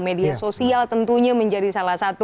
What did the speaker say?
media sosial tentunya menjadi salah satu